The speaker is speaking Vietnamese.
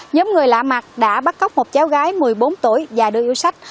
nhóm người lạ mặt đã bắt cóc một cháu gái một mươi bốn tuổi và đưa yêu sách